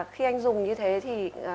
khi anh dùng như thế thì